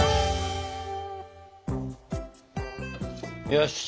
よし。